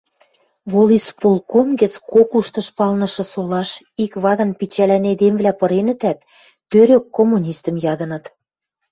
волисполком гӹц кок уштыш палнышы солаш ик вадын пичӓлӓн эдемвлӓ пыренӹтӓт, тӧрӧк коммунистӹм ядыныт.